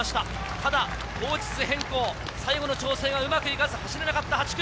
ただ当日変更、最後の調整がうまくいかず走れなかった８区。